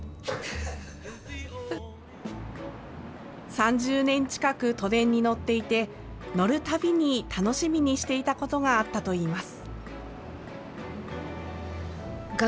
３０年近く都電に乗っていて乗るたびに楽しみにしていたことがあったといいます。